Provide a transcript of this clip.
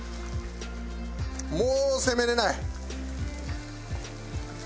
もう攻めれない！